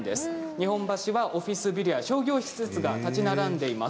日本橋、オフィスビルや商業施設が建ち並んでいます。